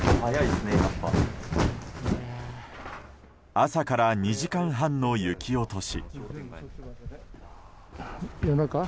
朝から２時間半の雪落とし。